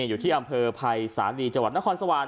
อยู่ที่อำเภอภัยสาลีจนครสวรรค์